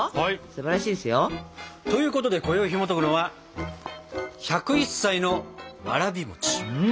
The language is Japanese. すばらしいですよ。ということでこよいひもとくのは「１０１歳のわらび餅」。